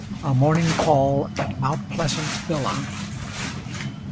A MORNING CALL AT MOUNT PLEASANT VILLA.